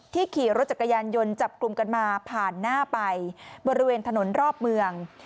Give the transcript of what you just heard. ขี่รถจักรยานยนต์จับกลุ่มกันมาผ่านหน้าไปบริเวณถนนรอบเมือง